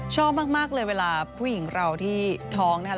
ชอบมากเลยเวลาผู้หญิงเราที่ท้องนะคะ